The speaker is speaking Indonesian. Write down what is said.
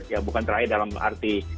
ya bukan terakhir dalam arti